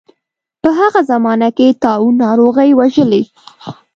په هغه زمانه کې طاعون ناروغۍ وژلي.